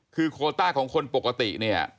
คือโคต้าของคนปกติเนี่ย